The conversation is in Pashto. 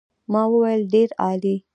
ما وویل ډېر عالي.